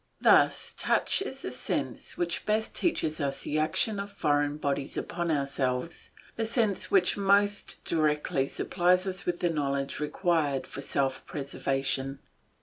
Thus touch is the sense which best teaches us the action of foreign bodies upon ourselves, the sense which most directly supplies us with the knowledge required for self preservation.